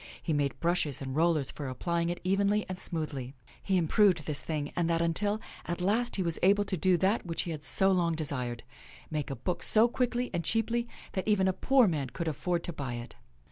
He made brushes and rollers for apply ing it evenly and smoothly. He improved this thing and that until, at last, he was able to do that which he had so long desired — make a book so quickly and cheaply that even a poor man could afford to buy it.